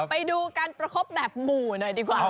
ไปดูการประคบแบบหมู่หน่อยดีกว่า